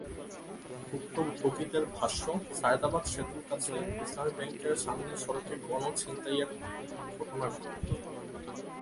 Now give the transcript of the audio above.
ভুক্তভোগীদের ভাষ্য, সায়েদাবাদ সেতুর কাছে ইসলামী ব্যাংকের সামনের সড়কে গণছিনতাইয়ের ঘটনা ঘটে।